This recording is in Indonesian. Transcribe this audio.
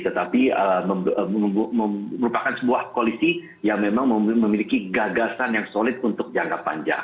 tetapi merupakan sebuah koalisi yang memang memiliki gagasan yang solid untuk jangka panjang